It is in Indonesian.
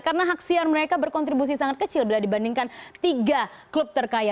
karena haksiar mereka berkontribusi sangat kecil bila dibandingkan tiga klub terkaya